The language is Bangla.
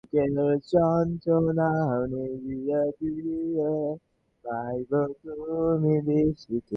বলিয়া তাহার ডাক্তারি বইয়ের কোনো-একটা অধ্যায়ের শিরোনামটুকু মাত্র দেখাইয়া দেয়।